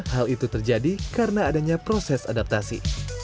hal itu terjadi karena adanya proses adaptasi